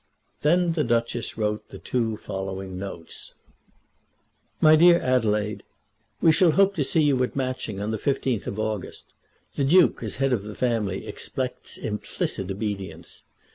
Then the Duchess wrote the two following notes: MY DEAR ADELAIDE, We shall hope to see you at Matching on the 15th of August. The Duke, as head of the family, expects implicit obedience.